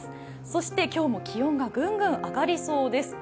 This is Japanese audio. そして今日も気温がグングン上がりそうです。